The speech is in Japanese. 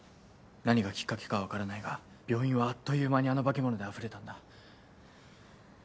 何がキッカケかは分からないが病院はあっという間にあの化け物であふれたんだ。